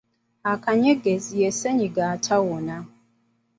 Akanyegezi ye ssenyiga atawona.